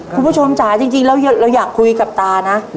คุณผู้ชมจ๊ะจริงเราอยากคุยกับตานะ